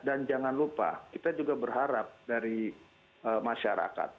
dan jangan lupa kita juga berharap dari masyarakat